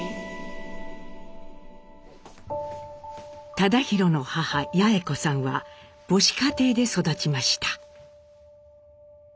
忠宏の母八詠子さんは母子家庭で育ちました。